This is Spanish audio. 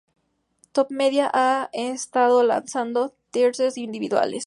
Top Media ha estado lanzando teasers individuales.